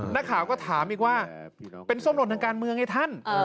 นักข่าวก็ถามอีกว่าเป็นส้มหล่นทางการเมืองไอ้ท่าน